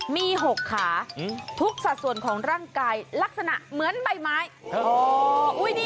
มี๖ขาทุกสัดส่วนของร่างกายลักษณะเหมือนใบไม้